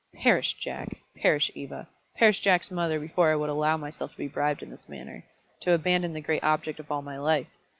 Perish Jack! perish Eva! perish Jack's mother, before I would allow myself to be bribed in this manner, to abandon the great object of all my life!